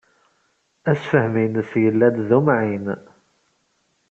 Assefhem-ines yella-d d umɛin.